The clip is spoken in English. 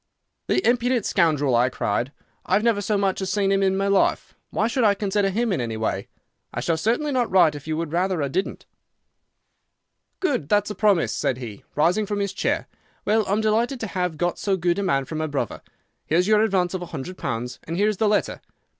"'The impudent scoundrel!' I cried. 'I've never so much as seen him in my life. Why should I consider him in any way? I shall certainly not write if you would rather I didn't.' "'Good! That's a promise,' said he, rising from his chair. 'Well, I'm delighted to have got so good a man for my brother. Here's your advance of a hundred pounds, and here is the letter.